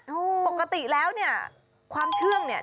ปกติแล้วเนี่ยความเชื่องเนี่ย